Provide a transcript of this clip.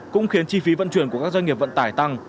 cũng khiến chi phí vận chuyển của các doanh nghiệp vận tải tăng